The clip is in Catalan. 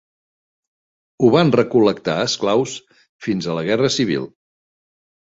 Ho van recol·lectar esclaus fins a la Guerra Civil.